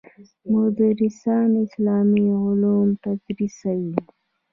مدرسان اسلامي علوم تدریسوي.